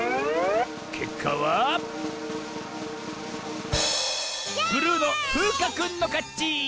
けっかはブルーのふうかくんのかち！